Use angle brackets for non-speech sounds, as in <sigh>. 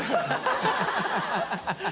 ハハハ <laughs>